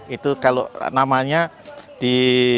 itu kalau namanya di